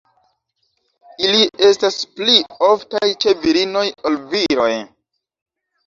Ili estas pli oftaj ĉe virinoj ol viroj.